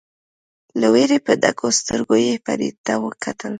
له وېرې په ډکو سترګو یې فرید ته وکتل.